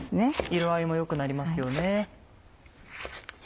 色合いもよくなりますよね。